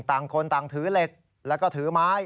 ต่างคนต่างถือเหล็กแล้วก็ถือไม้